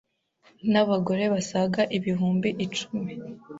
n’abagore basaga ibihumbi icumi